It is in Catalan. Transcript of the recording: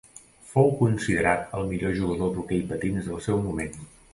Fou considerat el millor jugador d'hoquei patins del seu moment.